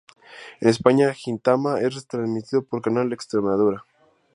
En España "Gintama" es retransmitido por Canal Extremadura.